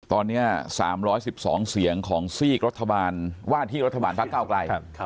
ตอนนี้๓๑๒เสียงของซีกรัฐบาลว่าที่รัฐบาลพักเก้าไกล